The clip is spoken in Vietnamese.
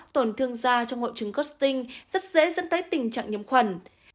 tổn thương da trong hội chứng costing rất dễ dẫn tới tình trạng nhiễm khuẩn